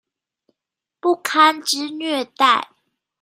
不堪之虐待